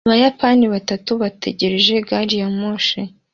abayapani batatu bategereje gari ya moshi